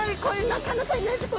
なかなかいないんですよ